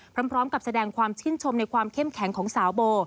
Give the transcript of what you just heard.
พร้อมกับแสดงความชื่นชมในความเข้มแข็งของสาวโบ